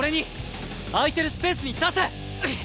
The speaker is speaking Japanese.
空いてるスペースに出せ！